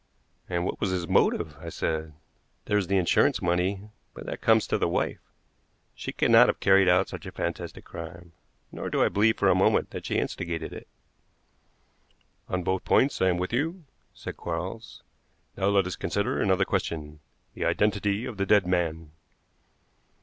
"And what was his motive?" I said. "There is the insurance money, but that comes to the wife. She could not have carried out such a fantastic crime, nor do I believe for a moment that she instigated it." "On both points I am with you," said Quarles. "Now let us consider another question the identity of the dead man."